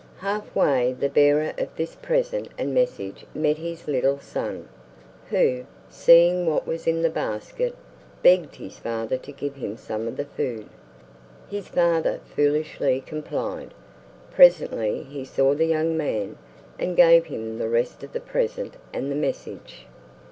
Half way the bearer of this present and message met his little son, who, seeing what was in the basket, begged his father to give him some of the food. His father foolishly complied. Presently he saw the young man, and gave him the rest of the present and the message.